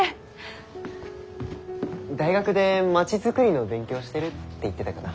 大学で町づくりの勉強してるって言ってたかな。